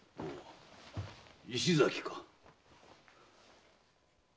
石崎か。